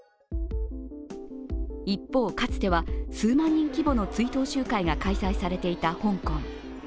一方、かつては数万人規模の追悼集会が開催されていた香港。